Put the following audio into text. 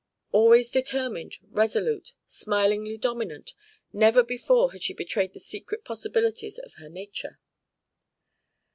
Always determined, resolute, smilingly dominant, never before had she betrayed the secret possibilities of her nature.